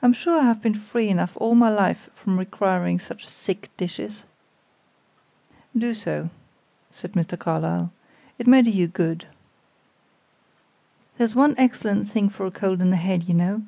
I'm sure I have been free enough all my life from requiring such sick dishes." "Do so," said Mr. Carlyle. "It may do you good." "There's one thing excellent for a cold in the head, I know.